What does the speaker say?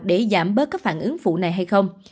để giảm bớt các phản ứng phụ này hay không